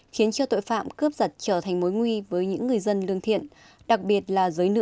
khiến cho tội phạm cướp giật trở thành mối nguy với những người dân lương thiện đặc biệt là giới nữ